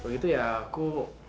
kalau gitu ya aku